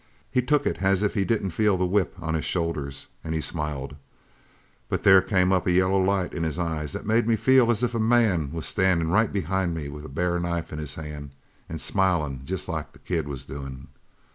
He took it as if he didn't feel the whip on his shoulders, an' he smiled. But there came up a yellow light in his eyes that made me feel as if a man was standin' right behind me with a bare knife in his hand an' smilin' jest like the kid was doin'.